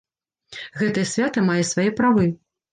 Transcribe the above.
Гэтае свята мае свае правы.